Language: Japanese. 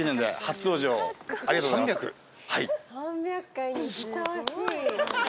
はい